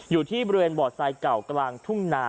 อยู่ที่บริเวณบ่อทรายเก่ากลางทุ่งนา